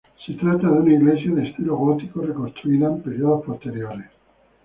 Se trata de una iglesia de estilo gótico, reconstruida en períodos posteriores.